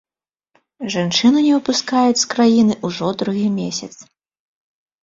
Жанчыну не выпускаюць з краіны ўжо другі месяц.